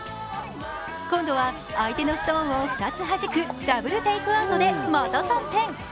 今度は相手のストーンを２つ弾くダブルテイクアウトでまた３点。